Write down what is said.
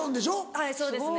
はいそうですね。